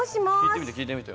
聞いてみて。